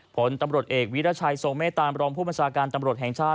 ผลตำรวจเอกวิรัชัยทรงเมตตามรองผู้บัญชาการตำรวจแห่งชาติ